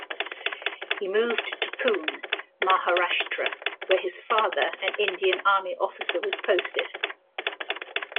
He moved to Pune, Maharashtra where his father, an Indian Army officer was posted.